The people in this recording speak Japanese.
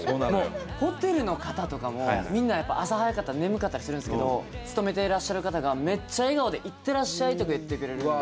ホテルの方とかもみんなやっぱ朝早かったら眠かったりするんですけど勤めていらっしゃる方がめっちゃ笑顔で「いってらっしゃい！」とか言ってくれるんで。